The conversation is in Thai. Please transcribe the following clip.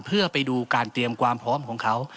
เพื่อไปดูการเตรียมความพร้อมของเขา